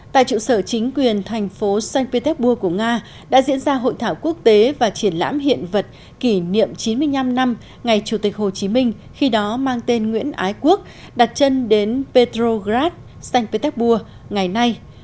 tại trụ sở chính quyền thành phố sankt petersburg của nga đã diễn ra hội thảo quốc tế và triển lãm hiện vật kỷ niệm chín mươi năm năm ngày chủ tịch hồ chí minh khi đó mang tên nguyễn ái quốc đặt chân đến petrograd sankt petersburg ngày nay